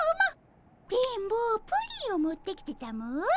「電ボプリンを持ってきてたも」